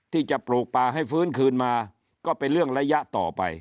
ที่จะปลูกปลาให้ฟื้นคืนมาก็เป็นเรื่องระยะต่อไป